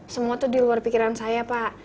semua tuh di luar pikiran saya pak